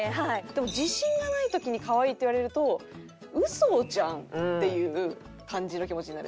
でも自信がない時に「かわいい」って言われるとウソじゃんっていう感じの気持ちになるみたいな。